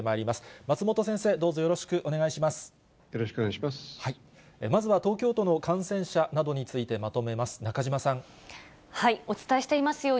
まずは東京都の感染者などについてまとめます。